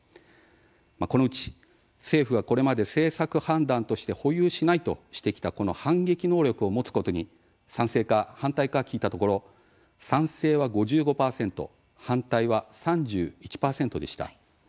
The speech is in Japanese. このうち政府がこれまで政策判断として保有しないとしてきたこの反撃能力を持つことに賛成か反対か聞いたところ賛成は５５％反対は３１％でした。